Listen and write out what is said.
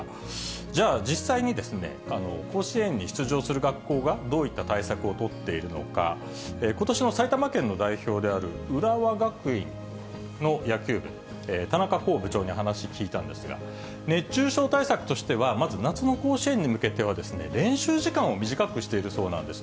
じゃあ、実際に甲子園に出場する学校がどういった対策を取っているのか、ことしの埼玉県の代表である浦和学院の野球部、田中宏部長に話聞いたんですが、熱中症対策としては、まず夏の甲子園に向けては、練習時間を短くしているそうなんです。